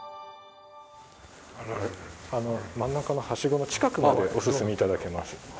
あの真ん中のはしごの近くまでお進み頂けます。